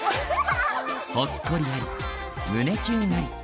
ほっこりあり、胸キュンあり。